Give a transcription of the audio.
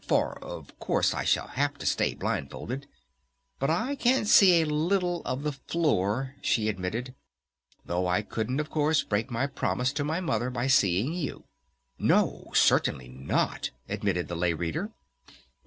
For, of course, I shall have to stay blindfolded. But I can see a little of the floor," she admitted, "though I couldn't of course break my promise to my Mother by seeing you." "No, certainly not," admitted the Lay Reader.